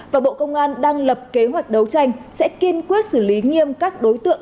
và bộ công an đang lập kế hoạch đấu tranh sẽ kiên quyết xử lý nghiêm các đối tượng